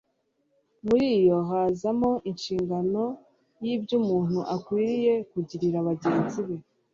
muri yo hazamo inshingano y'iby'umuntu akwiriye kugirira bagenzi be.